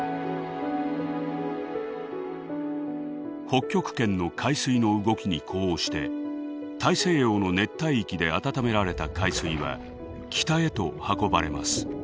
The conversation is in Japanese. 北極圏の海水の動きに呼応して大西洋の熱帯域であたためられた海水は北へと運ばれます。